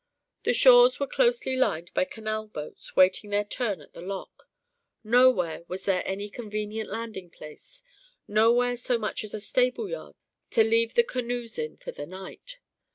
The shores were closely lined by canal boats waiting their turn at the lock. Nowhere was there any convenient landing place; nowhere so much as a stable yard to leave the canoes in for the night.